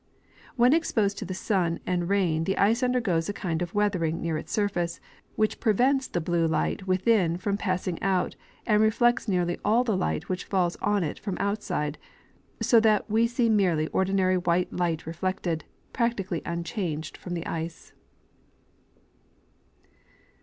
When exposed to the sun and rain the ice undergoes a kind of weathering near its surface, which prevents the blue light within from passing out and reflects nearly all of the light which falls on it from out side; so that we then see merely ordinary white light reflected, practically unchanged, from the ice.